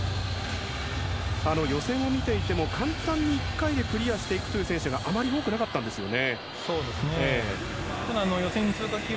予選を見ていても簡単に１回でクリアしていくという選手があまり多くなかったんですよね。